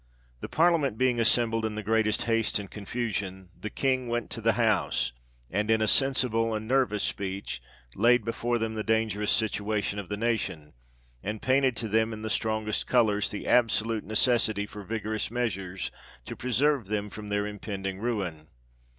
The Parliament being assembled in the greatest haste and confusion, the king went to the house, and, in a sensible and nervous speech, laid before them the dangerous situation of the nation, and painted to them, in the strongest colours, the absolute necessity for vigorous measures to preserve them from their impending ruin.